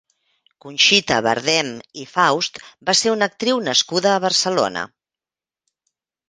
Conxita Bardem i Faust va ser una actriu nascuda a Barcelona.